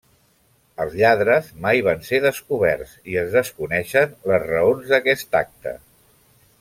Els lladres mai van ser descoberts, i es desconeixen les raons d'aquest acte.